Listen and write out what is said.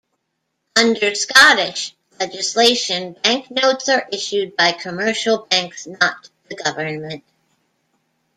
Under Scottish legislation, banknotes are issued by commercial banks not the government.